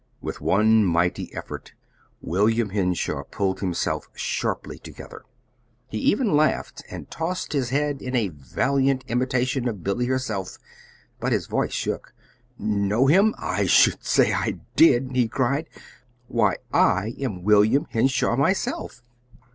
With one mighty effort William Henshaw pulled himself sharply together. He even laughed, and tossed his head in a valiant imitation of Billy herself; but his voice shook. "Know him! I should say I did!" he cried. "Why, I am William Henshaw, myself."